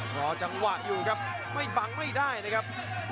รอจังหวะอยู่ครับไม่บังไม่ได้นะครับ